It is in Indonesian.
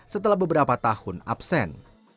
setelah beberapa tahun absen